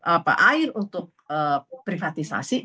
apa air untuk privatisasi